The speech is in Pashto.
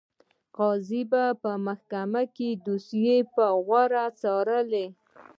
قاضي به په محکمه کې دوسیه په غور څارله.